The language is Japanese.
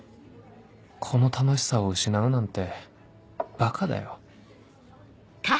この楽しさを失うなんてバカだよ